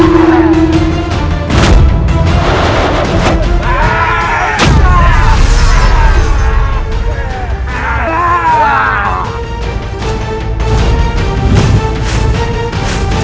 sultan razim lepaskan dia